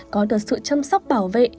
có được sự chăm sóc bảo vệ